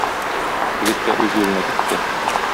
Егет тә үз юлына китте.